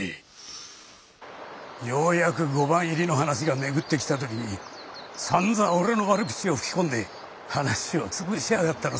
ようやく御番入りの話が巡ってきた時にさんざ俺の悪口を吹き込んで話を潰しやがったのさ。